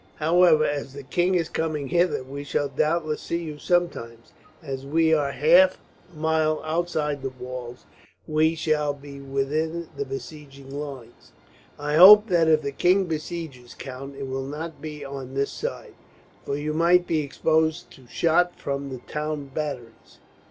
However, as the king is coming hither, we shall doubtless see you sometimes. As we are half a mile outside the walls, we shall be within the besieging lines." "I hope that if the king besieges, count, it will not be on this side, for you might be exposed to shot from the town batteries."